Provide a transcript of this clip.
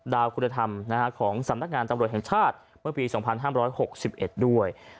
คุณธรรมของสำนักงานตำรวจแห่งชาติเมื่อปี๒๕๖๑ด้วย